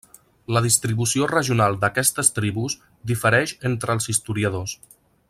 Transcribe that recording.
La distribució regional d'aquestes tribus difereix entre els historiadors.